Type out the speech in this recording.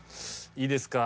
いいですか？